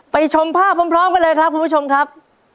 ชมภาพพร้อมกันเลยครับคุณผู้ชมครับ